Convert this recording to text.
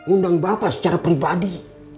undang bapak secara pribadi